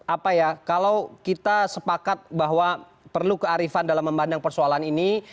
apa ya kalau kita sepakat bahwa perlu kearifan dalam memandang persoalan ini